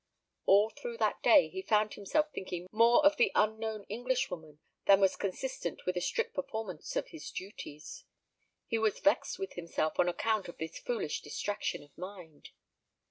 All through that day he found himself thinking more of the unknown Englishwoman than was consistent with a strict performance of his duties. He was vexed with himself on account of this foolish distraction of mind.